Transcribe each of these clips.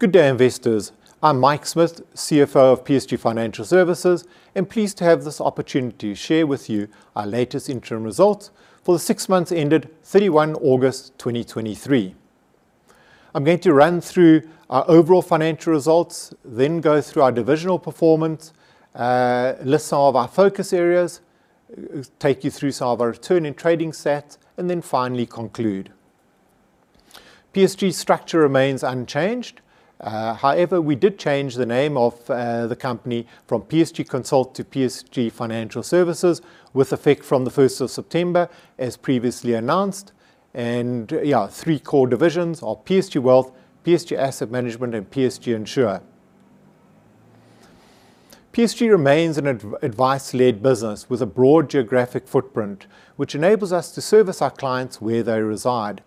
Good day, investors. I'm Mike Smith, CFO of PSG Financial Services, and pleased to have this opportunity to share with you our latest interim results for the six months ended 31 August 2023. I'm going to run through our overall financial results, then go through our divisional performance, list some of our focus areas, take you through some of our return and trading sets, then finally conclude. PSG's structure remains unchanged. However, we did change the name of the company from PSG Konsult to PSG Financial Services with effect from the 1st of September, as previously announced. Three core divisions are PSG Wealth, PSG Asset Management, and PSG Insure. PSG remains an advice-led business with a broad geographic footprint, which enables us to service our clients where they reside.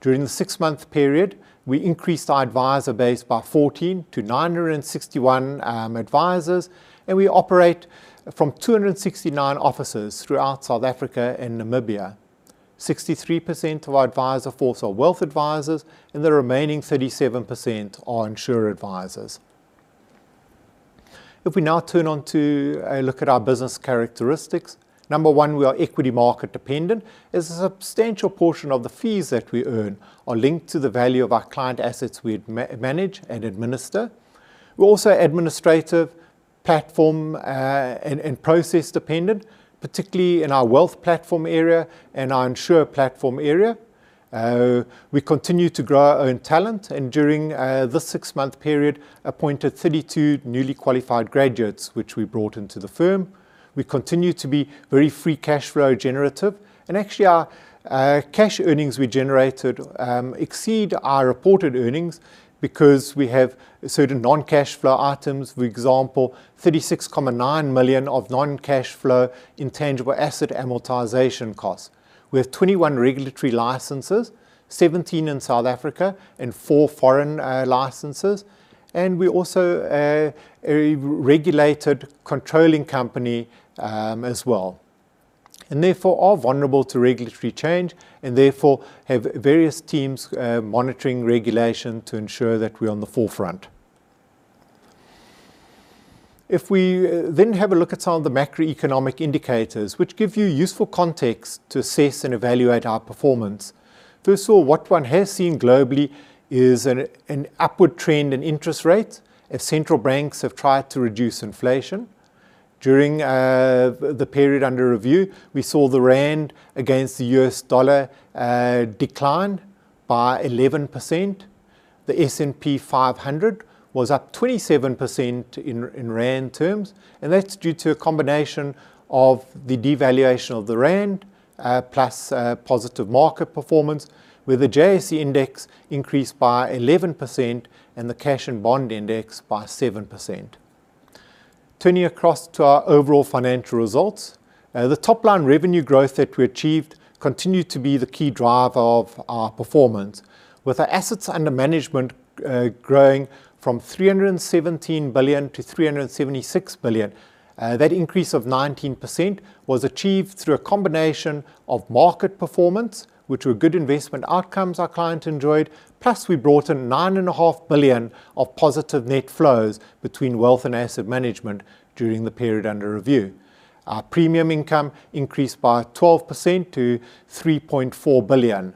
During the six-month period, we increased our advisor base by 14 to 961 advisors. We operate from 269 offices throughout South Africa and Namibia. 63% of our advisor force are wealth advisors and the remaining 37% are insure advisors. If we now turn on to a look at our business characteristics. Number 1, we are equity market dependent, as a substantial portion of the fees that we earn are linked to the value of our client assets we manage and administer. We're also administrative platform and process dependent, particularly in our wealth platform area and our insure platform area. We continue to grow our own talent and during this six-month period, appointed 32 newly qualified graduates, which we brought into the firm. Actually our cash earnings we generated exceed our reported earnings because we have certain non-cash flow items. For example, 36.9 million of non-cash flow intangible asset amortization costs. We have 21 regulatory licenses, 17 in South Africa, and four foreign licenses. We're also a regulated controlling company as well, and therefore are vulnerable to regulatory change and therefore have various teams monitoring regulation to ensure that we're on the forefront. If we then have a look at some of the macroeconomic indicators, which give you useful context to assess and evaluate our performance. First of all, what one has seen globally is an upward trend in interest rates as central banks have tried to reduce inflation. During the period under review, we saw the rand against the US dollar decline by 11%. The S&P 500 was up 27% in rand terms. That's due to a combination of the devaluation of the rand, plus positive market performance, with the JSE index increased by 11% and the cash and bond index by 7%. Turning across to our overall financial results. The top-line revenue growth that we achieved continued to be the key driver of our performance. With our assets under management growing from 317 billion to 376 billion. That increase of 19% was achieved through a combination of market performance, which were good investment outcomes our client enjoyed, plus we brought in 9.5 billion of positive net flows between wealth and asset management during the period under review. Our premium income increased by 12% to 3.4 billion.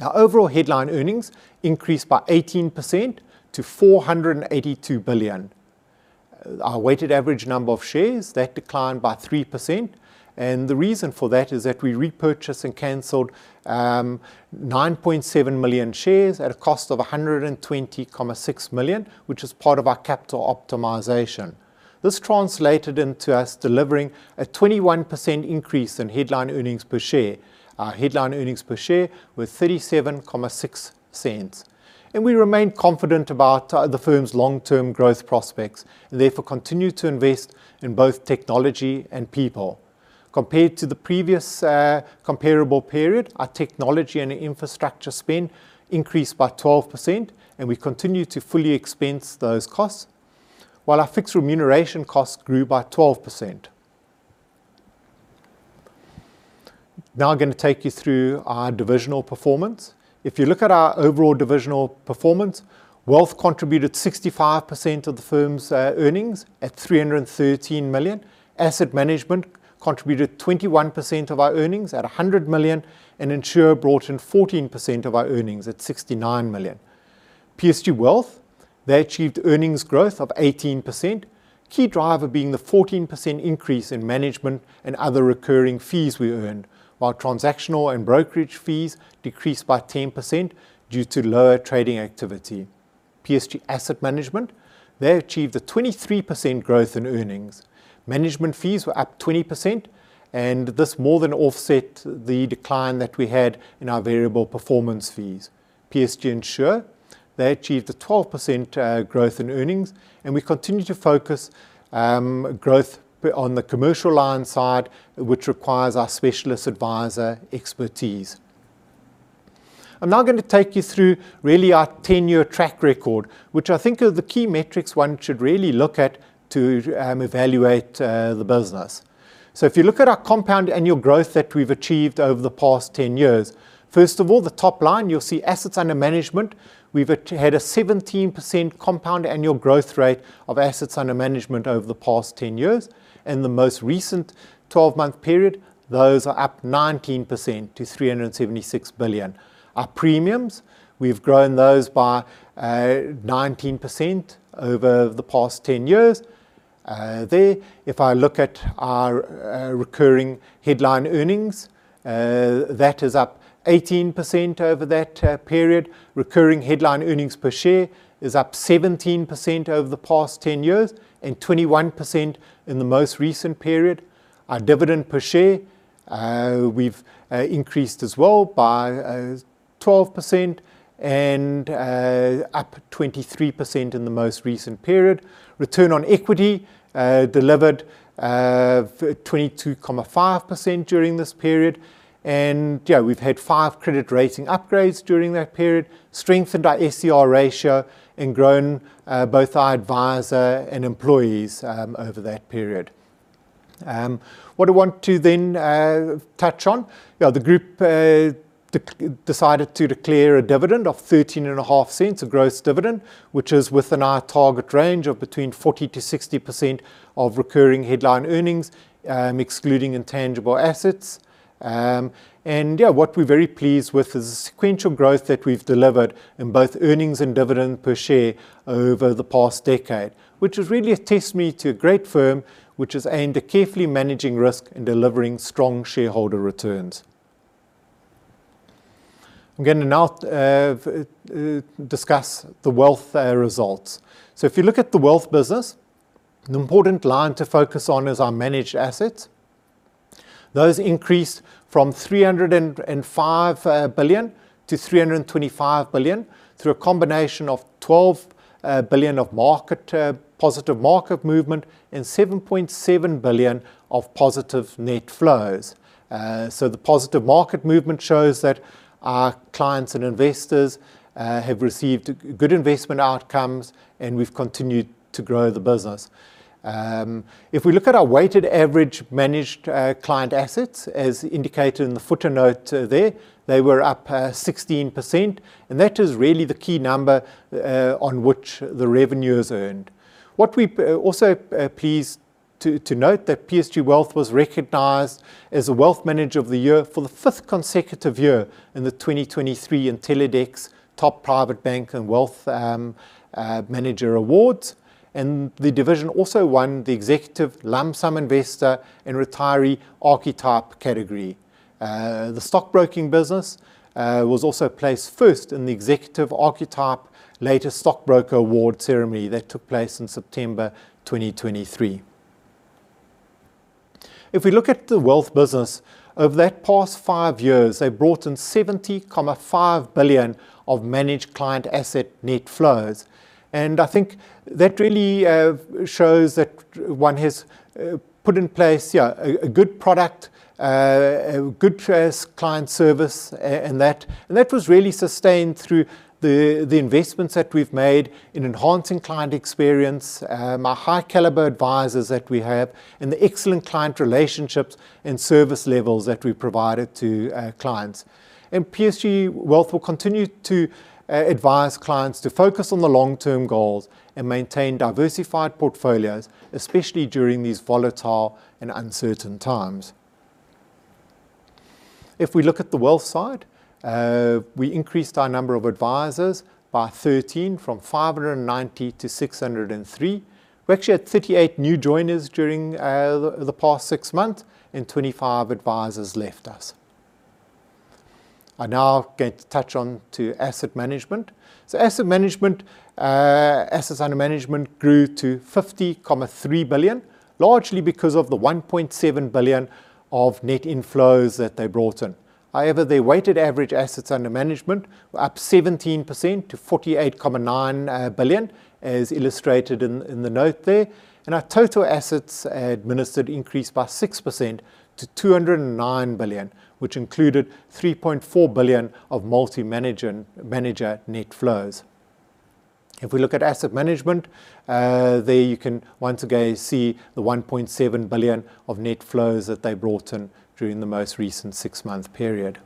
Our overall headline earnings increased by 18% to 482 billion. Our weighted average number of shares, that declined by 3%. The reason for that is that we repurchased and canceled 9.7 million shares at a cost of 120.6 million, which was part of our capital optimization. This translated into us delivering a 21% increase in headline earnings per share. Our headline earnings per share were 0.376. We remain confident about the firm's long-term growth prospects, therefore continue to invest in both technology and people. Compared to the previous comparable period, our technology and infrastructure spend increased by 12%. We continue to fully expense those costs. While our fixed remuneration costs grew by 12%. I'm going to take you through our divisional performance. If you look at our overall divisional performance, Wealth contributed 65% of the firm's earnings at 313 million. Asset Management contributed 21% of our earnings at 100 million. Insure brought in 14% of our earnings at 69 million. PSG Wealth, they achieved earnings growth of 18%, key driver being the 14% increase in management and other recurring fees we earned, while transactional and brokerage fees decreased by 10% due to lower trading activity. PSG Asset Management, they achieved a 23% growth in earnings. Management fees were up 20%. This more than offset the decline that we had in our variable performance fees. PSG Insure, they achieved a 12% growth in earnings. We continue to focus growth on the commercial line side, which requires our specialist advisor expertise. I'm now going to take you through really our 10-year track record, which I think are the key metrics one should really look at to evaluate the business. If you look at our compound annual growth that we've achieved over the past 10 years, first of all, the top line, you'll see assets under management. We've had a 17% compound annual growth rate of assets under management over the past 10 years. In the most recent 12-month period, those are up 19% to 376 billion. Our premiums, we've grown those by 19% over the past 10 years. There, if I look at our recurring headline earnings, that is up 18% over that period. Recurring headline earnings per share is up 17% over the past 10 years and 21% in the most recent period. Our dividend per share, we've increased as well by 12% and up 23% in the most recent period. Return on equity delivered 22.5% during this period. We've had five credit rating upgrades during that period, strengthened our SCR ratio, and grown both our advisor and employees over that period. What I want to then touch on, the group decided to declare a dividend of 0.135 of gross dividend, which is within our target range of between 40%-60% of recurring headline earnings, excluding intangible assets. What we're very pleased with is the sequential growth that we've delivered in both earnings and dividend per share over the past decade, which is really a testimony to a great firm, which is aimed at carefully managing risk and delivering strong shareholder returns. I'm going to now discuss the Wealth results. If you look at the Wealth business, an important line to focus on is our managed assets. Those increased from 305 billion to 325 billion through a combination of 12 billion of positive market movement and 7.7 billion of positive net flows. The positive market movement shows that our clients and investors have received good investment outcomes, and we've continued to grow the business. If we look at our weighted average managed client assets, as indicated in the footnote there, they were up 16%, and that is really the key number on which the revenue is earned. We also pleased to note that PSG Wealth was recognized as a wealth manager of the year for the fifth consecutive year in the 2023 Intellidex Top Private Bank and Wealth Manager Awards, and the division also won the Executive Lump Sum Investor and Retiree Archetype category. The stockbroking business was also placed first in the Executive Archetype Latest Stockbroker award ceremony that took place in September 2023. If we look at the wealth business, over that past five years, they've brought in 70.5 billion of managed client asset net flows. I think that really shows that one has put in place a good product, good client service, and that was really sustained through the investments that we've made in enhancing client experience, our high caliber advisors that we have, and the excellent client relationships and service levels that we provided to clients. PSG Wealth will continue to advise clients to focus on the long-term goals and maintain diversified portfolios, especially during these volatile and uncertain times. If we look at the wealth side, we increased our number of advisors by 13 from 590 to 603. We actually had 38 new joiners during the past six months and 25 advisors left us. I now get to touch on to asset management. Asset management, assets under management grew to 50.3 billion, largely because of the 1.7 billion of net inflows that they brought in. However, their weighted average assets under management were up 17% to 48.9 billion, as illustrated in the note there. Our total assets administered increased by 6% to 209 billion, which included 3.4 billion of multi-manager net flows. If we look at asset management, there you can once again see the 1.7 billion of net flows that they brought in during the most recent six-month period.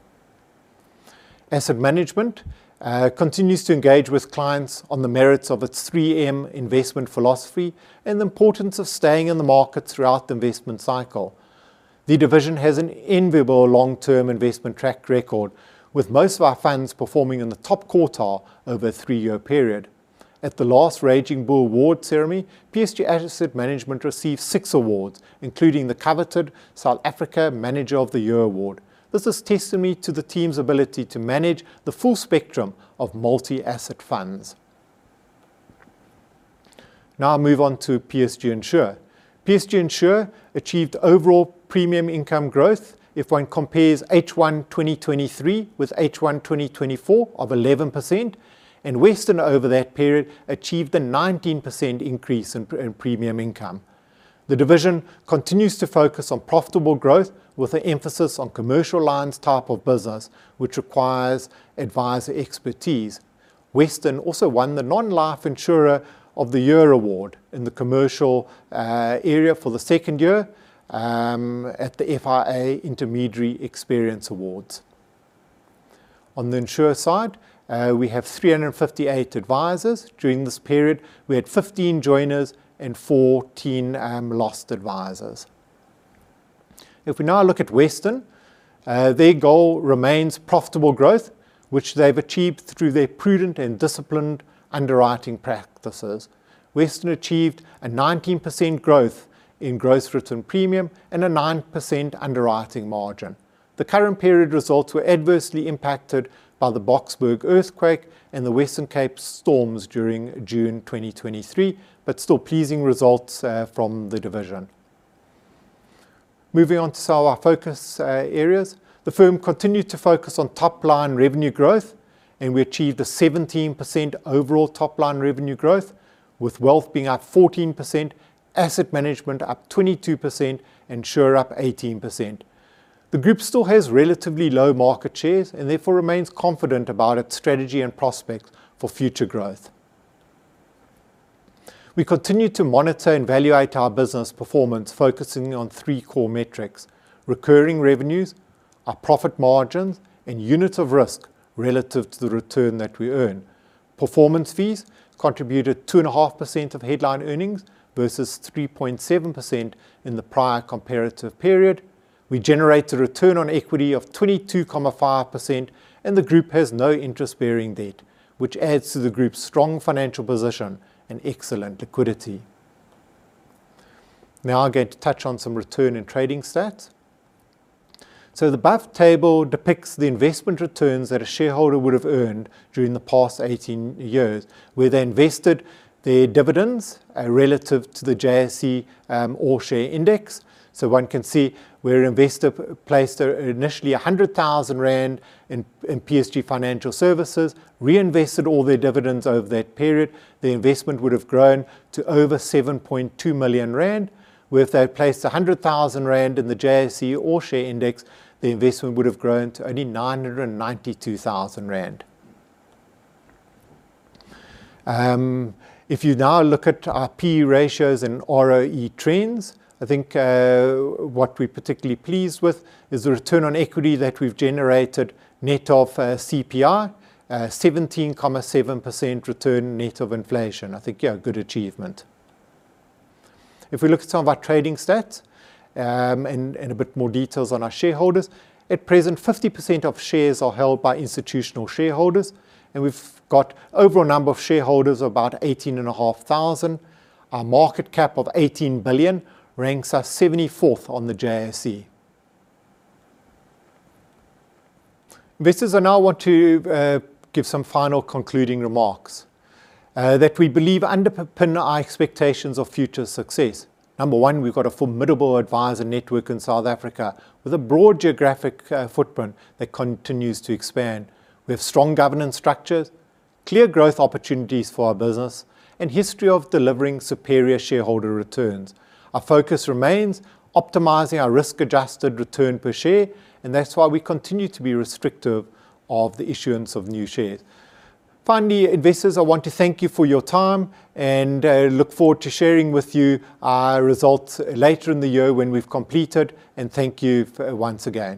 Asset management continues to engage with clients on the merits of its 3M investment philosophy and the importance of staying in the market throughout the investment cycle. The division has an enviable long-term investment track record, with most of our funds performing in the top quartile over a three-year period. At the last Raging Bull Awards ceremony, PSG Asset Management received six awards, including the coveted South Africa Manager of the Year award. This is testimony to the team's ability to manage the full spectrum of multi-asset funds. I move on to PSG Insure. PSG Insure achieved overall premium income growth if one compares H1 2023 with H1 2024 of 11%, and Western over that period achieved a 19% increase in premium income. The division continues to focus on profitable growth with an emphasis on commercial lines type of business, which requires advisor expertise. Western also won the Non-Life Insurer of the Year award in the commercial area for the second year at the FIA Intermediary Experience Awards. On the insurer side, we have 358 advisors. During this period, we had 15 joiners and 14 lost advisors. If we now look at Western, their goal remains profitable growth, which they've achieved through their prudent and disciplined underwriting practices. Western achieved a 19% growth in gross written premium and a 9% underwriting margin. The current period results were adversely impacted by the Boksburg earthquake and the Western Cape storms during June 2023. Still pleasing results from the division. Moving on to some of our focus areas. The firm continued to focus on top-line revenue growth. We achieved a 17% overall top-line revenue growth, with Wealth being up 14%, Asset Management up 22%, Insure up 18%. The group still has relatively low market shares and therefore remains confident about its strategy and prospects for future growth. We continue to monitor and evaluate our business performance, focusing on three core metrics: recurring revenues, our profit margins, and unit of risk relative to the return that we earn. Performance fees contributed 2.5% of headline earnings versus 3.7% in the prior comparative period. We generated return on equity of 22.5%, and the group has no interest-bearing debt, which adds to the group's strong financial position and excellent liquidity. Now I'm going to touch on some return and trading stats. The above table depicts the investment returns that a shareholder would have earned during the past 18 years, where they invested their dividends relative to the JSE All Share Index. One can see where an investor placed initially 100,000 rand in PSG Financial Services, reinvested all their dividends over that period. The investment would have grown to over 7.2 million rand, where if they had placed 100,000 rand in the JSE All Share Index, the investment would have grown to only 992,000 rand. If you now look at our P/E ratios and ROE trends, I think what we're particularly pleased with is the return on equity that we've generated net of CPI, 17.7% return net of inflation. I think a good achievement. If we look at some of our trading stats, and a bit more details on our shareholders, at present, 50% of shares are held by institutional shareholders, and we've got overall number of shareholders of about 18,500. Our market cap of 18 billion ranks us 74th on the JSE. Investors, I now want to give some final concluding remarks that we believe underpin our expectations of future success. Number one, we've got a formidable advisor network in South Africa with a broad geographic footprint that continues to expand. We have strong governance structures, clear growth opportunities for our business, and history of delivering superior shareholder returns. Our focus remains optimizing our risk-adjusted return per share. That's why we continue to be restrictive of the issuance of new shares. Finally, investors, I want to thank you for your time. Look forward to sharing with you our results later in the year when we've completed. Thank you once again.